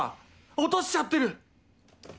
落としちゃってる